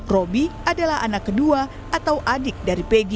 roby adalah anak kedua atau adik dari pegi